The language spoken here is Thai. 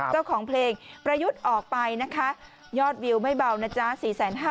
เจ้าของเพลงประยุทธ์ออกไปนะคะยอดวิวไม่เบานะจ๊ะ๔๕๐๐